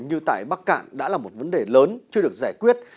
như tại bắc cạn đã là một vấn đề lớn chưa được giải quyết